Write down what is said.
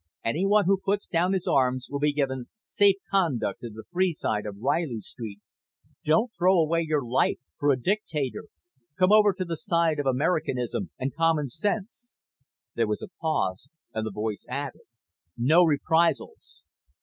"Anyone who puts down his arms will be given safe conduct to the free side of Reilly Street. Don't throw away your life for a dictator. Come over to the side of Americanism and common sense." There was a pause, and the voice added: "No reprisals."